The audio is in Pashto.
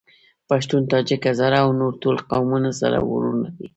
پښتون ، تاجک ، هزاره او نور ټول قومونه سره وروڼه دي.